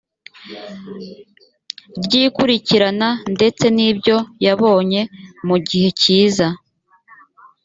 ry ikurikirana ndetse n ibyo yabonye mu gihe kiza